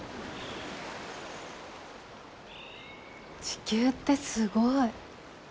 地球ってすごい。